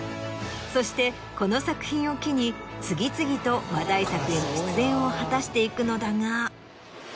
そしてこの作品を機に次々と話題作への出演を果たしていくのだが。